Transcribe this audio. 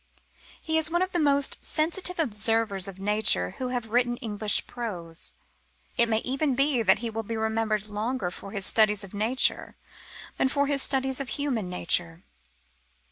He is one of the most sensitive observers of nature who have written English prose. It may even be that he will be remembered longer for his studies of nature than for his studies of human nature.